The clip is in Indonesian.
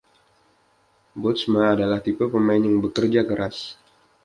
Bootsma adalah tipe pemain yang bekerja keras.